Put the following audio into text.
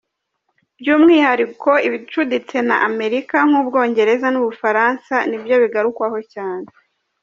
By’umwihariko ibicuditse na Amerika nk’u Bwongereza n’u Bufaransa nibyo bigarukwaho cyane.